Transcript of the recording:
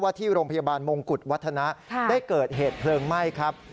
ที่โรงพยาบาลมงกุฎวัฒนะได้เกิดเหตุเพลิงไหม้ครับ